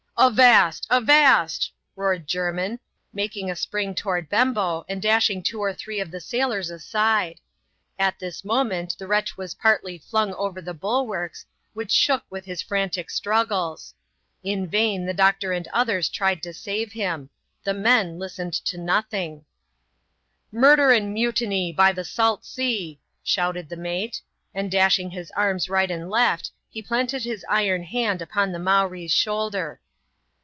" Avast ! avast !" roared Jermin, making a spring toward Bembo, and dashing two or three of the sailors aside. At this moment the wretch was partly ftxmg o\«t \>i"fe \i\i\:w«^&s^'^\ufth CHAP, xxiv.] OUTBREAK OF THE CREW. 93 shook with his frantic struggles. In vain the doctor and others tried to save him : the men listened to nothing. " Murder and mutiny, by the salt sea !" shouted the mate ; and dashing his arms right and left, he planted his iron hand upon the Mowree's shoulder.